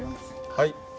はい。